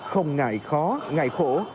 không ngại khó ngại khổ